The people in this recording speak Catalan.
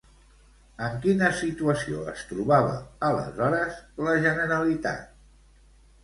En quina situació es trobava, aleshores, la Generalitat?